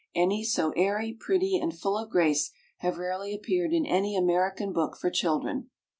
Any so airy, pretty, and full of grace, have rarely appeared in any American book for children.